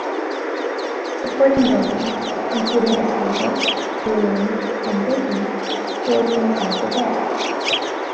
Supporting buildings including a stable, brewery and bakery stood inside the wall.